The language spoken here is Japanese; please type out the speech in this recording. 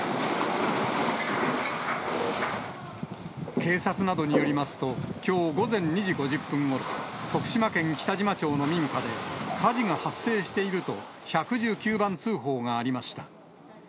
警察などによりますと、きょう午前２時５０分ごろ、徳島県北島町の民家で、火事が発生していると、１１９番通報がありました。